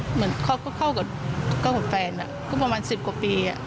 เหมือนเข้าผู้แฟนประมาณสิบกว่าปี